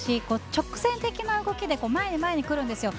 直線的な動きで前に来るんですよ。